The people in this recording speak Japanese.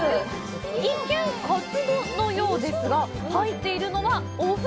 一見カツ丼のようですが入っているのは、お麩。